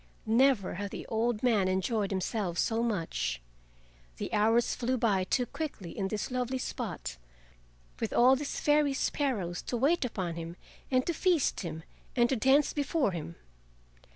Never had the old man enjoyed himself so much. The hours flew by too quickly in this lovely spot, with all these fairy sparrows to wait upon him and to feast him and to dance before him.